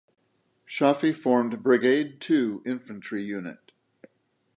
Shafi formed Brigade Two infantry unit.